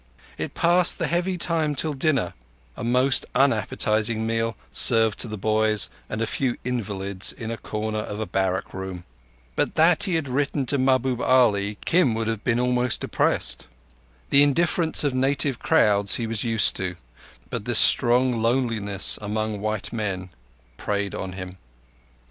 It passed the heavy time till dinner—a most unappetizing meal served to the boys and a few invalids in a corner of a barrack room. But that he had written to Mahbub Ali, Kim would have been almost depressed. The indifference of native crowds he was used to; but this strong loneliness among white men preyed on him.